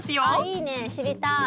いいね知りたい！